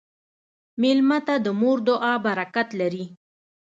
مېلمه ته د مور دعا برکت لري.